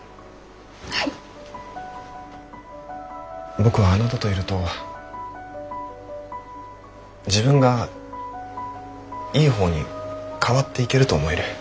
僕はあなたといると自分がいい方に変わっていけると思える。